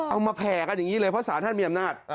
มาแผ่กันอย่างนี้เลยเพราะสารท่านมีอำนาจ